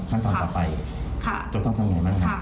ขั้นตอนต่อไปจะต้องทำอย่างไรบ้างครับ